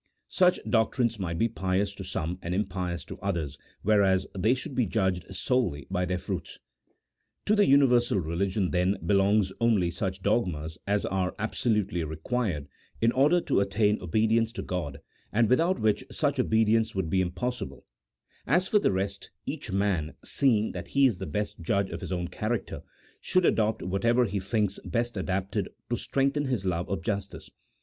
Such doctrines might be pious to some and impious to others, whereas they should be judged solely by their fruits. To the universal religion, then, belong only such dogmas as are absolutely required in order to attain obedience to G od, and without which such obedience would be impos sible ; as for the rest, each man — seeing that he is the best judge of his own character — should adopt whatever he thinks best adapted to strengthen his love of justice.